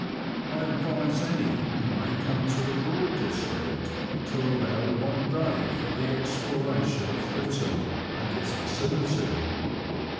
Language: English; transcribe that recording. I advise any who may come to the Broad district to allow one day for the exploration of Fritton and its vicinity.